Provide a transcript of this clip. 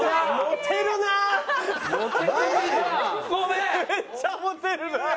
めっちゃモテるなあ。